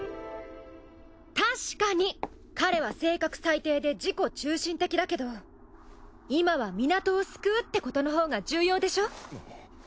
確かに彼は性格最低で自己中心的だけど今は港を救うってことのほうが重要でしょ？